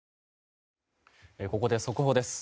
ここで速報です。